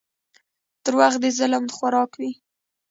• دروغ د ظلم خوراک وي.